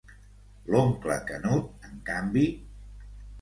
L'oncle Canut, en canvi...